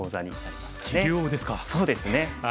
そうですね。